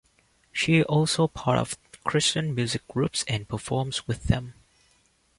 She is also part of Christian music groups and performs with them.